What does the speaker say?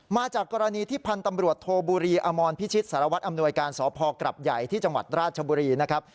มาจากกรณีที่พันธ์ตำรวจโทบุรีอมรพิชิตสารวัตรอำนวยการสพกรับใหญ่ที่จังหวัดราชบุรีนะครับ